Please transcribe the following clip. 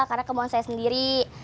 karena kemauan saya sendiri